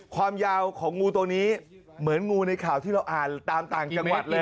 ความยาวของงูตัวนี้เหมือนงูในข่าวที่เราอ่านตามต่างจังหวัดเลย